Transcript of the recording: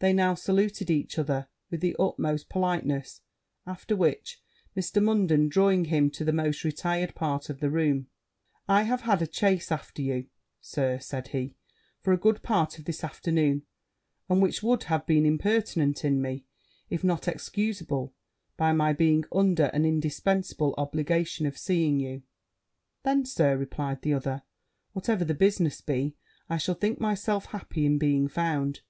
They now saluted each other with the utmost politeness; after which, Mr. Munden drawing him to the most retired part of the room, 'I have had a chase after you, Sir,' said he, 'for a good part of this afternoon, and which would have been impertinent in me, if not excuseable by my being under an indispensable obligation of seeing you.' 'Then, Sir,' replied the other, 'whatever the business be, I shall think myself happy in being found.'